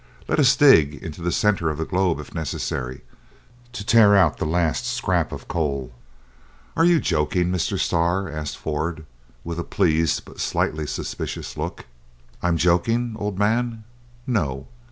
let us dig into the center of the globe if necessary, to tear out the last scrap of coal." "Are you joking, Mr. Starr?" asked Ford, with a pleased but slightly suspicious look. "I joking, old man? no!